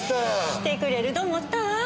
来てぐれると思ったわ。